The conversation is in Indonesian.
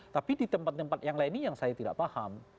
tapi di tempat tempat yang lain ini yang saya tidak paham